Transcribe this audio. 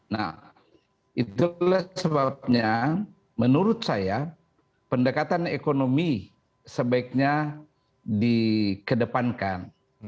nah itulah sebabnya menurut saya pendekatan ekonomi sebaiknya dikedepankan